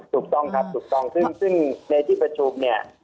ถูกต้องครับถูกต้องซึ่งในที่ประชุมเนี่ย